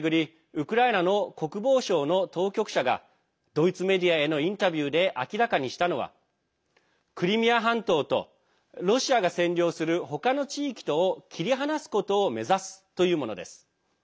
ウクライナの国防省の当局者がドイツメディアへのインタビューで明らかにしたのはクリミア半島とロシアが占領する他の地域とを切り離すことを目指すというものです。